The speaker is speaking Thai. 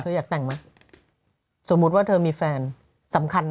อยากแต่งไหมสมมุติว่าเธอมีแฟนสำคัญ